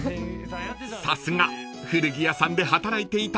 ［さすが古着屋さんで働いていたコカド君］